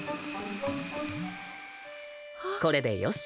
これでよし